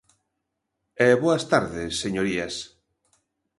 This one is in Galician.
E boas tardes, señorías.